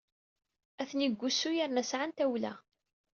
Atni deg wusu yerna sɛan tawla.